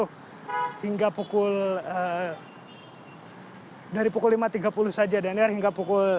hingga pukul dari pukul lima tiga puluh saja daniar hingga pukul